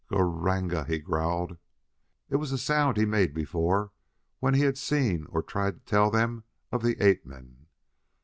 "Gr r ranga!" he growled. It was the sound he had made before when he had seen or had tried to tell them of the ape men.